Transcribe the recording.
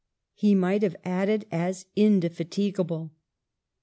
He might have added as indefatigable.